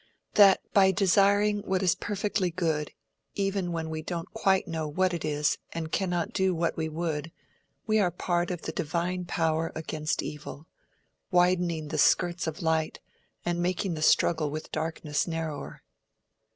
"That by desiring what is perfectly good, even when we don't quite know what it is and cannot do what we would, we are part of the divine power against evil—widening the skirts of light and making the struggle with darkness narrower."